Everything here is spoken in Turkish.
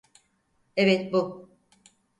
Evet bu.